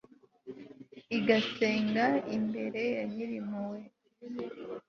igasenga imbere ya nyir'impuhwe